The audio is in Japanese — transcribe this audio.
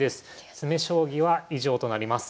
詰将棋は以上となります。